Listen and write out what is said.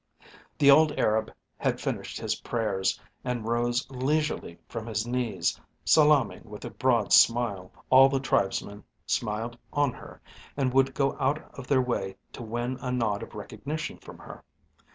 The old Arab had finished his prayers and rose leisurely from his knees, salaaming with a broad smile. All the tribesmen smiled on her, and would go out of their way to win a nod of recognition from her.